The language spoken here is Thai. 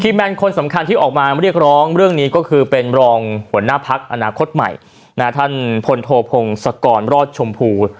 แมนคนสำคัญที่ออกมาเรียกร้องเรื่องนี้ก็คือเป็นรองหัวหน้าพักอนาคตใหม่ท่านพลโทพงศกรรอดชมพู